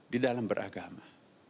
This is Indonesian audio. di dalam beragama